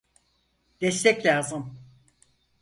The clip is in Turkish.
Destek lazım.